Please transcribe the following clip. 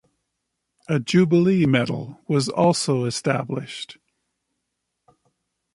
A jubilee medal was also established.